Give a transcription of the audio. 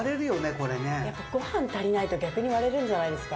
これねやっぱご飯足りないと逆に割れるんじゃないですか？